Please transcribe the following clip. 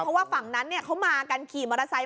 เพราะว่าฝั่งนั้นเขามากันขี่มอเตอร์ไซค